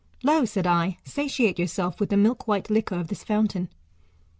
Lo 1 said I, satiate yourself with the milk* white liquor of this fountain.